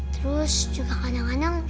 terus juga kadang kadang